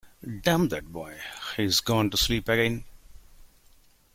Damn that boy, he’s gone to sleep again.